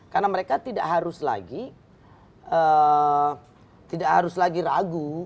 karena mereka tidak harus lagi tidak harus lagi ragu